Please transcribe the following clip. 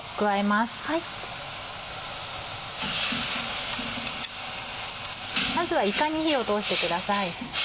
まずはいかに火を通してください。